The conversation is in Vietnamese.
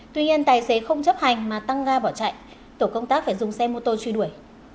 tuy nhiên tài xế không chấp hành mà tăng ga bỏ chạy tổ công tác phải dùng xe mô tô truy đuổi